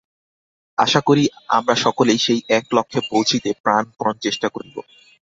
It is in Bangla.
আশা করি, আমরা সকলেই সেই এক লক্ষ্যে পৌঁছিতে প্রাণপণ চেষ্টা করিব।